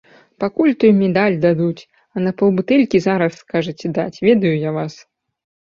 Пакуль той медаль дадуць, а на паўбутэлькі зараз скажаце даць, ведаю я вас.